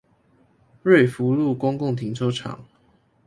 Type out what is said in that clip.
瑞福路公共停車場